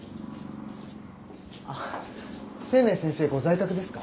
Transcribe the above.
清明先生ご在宅ですか？